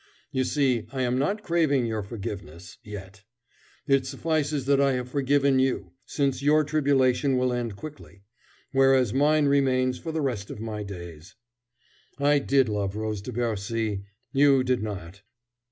You see, I am not craving your forgiveness yet. It suffices that I have forgiven you, since your tribulation will end quickly, whereas mine remains for the rest of my days. I did love Rose de Bercy: you did not....